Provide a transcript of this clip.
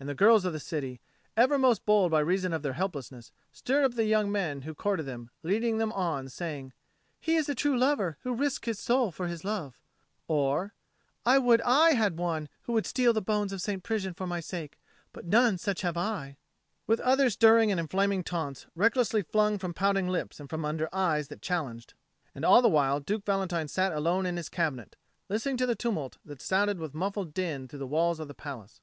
And the girls of the city, ever most bold by reason of their helplessness, stirred up the young men who courted them, leading them on and saying, "He is a true lover who risks his soul for his love;" or, "I would I had one who would steal the bones of St. Prisian for my sake, but none such have I:" with other stirring and inflaming taunts, recklessly flung from pouting lips and from under eyes that challenged. And all the while Duke Valentine sat alone in his cabinet, listening to the tumult that sounded with muffled din through the walls of the palace.